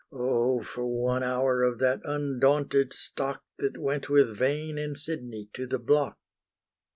O for one hour of that undaunted stock That went with Vane and Sydney to the block!